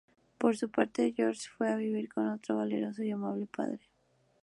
Por su parte, George se fue a vivir con su valeroso y amable padre.